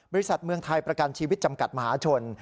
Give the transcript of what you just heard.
บริษัทเมืองไทยประกันชีวิตจำกัดมหาชน